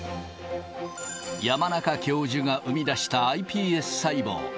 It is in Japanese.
山中教授が生み出したｉＰＳ細胞。